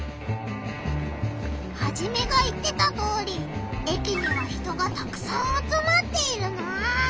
ハジメが言ってたとおり駅には人がたくさん集まっているな！